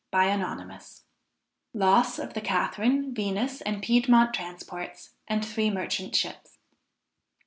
} LOSS OF THE CATHARINE, VENUS AND PIEDMONT TRANSPORTS; AND THREE MERCHANT SHIPS.